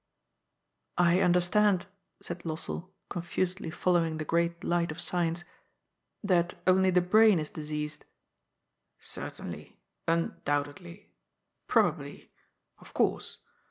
" I understand," said Ijossell, confusedly following the great light of science, " that only the brain is diseased ?"" Certainly. Undoubtedly. Probably. Of course.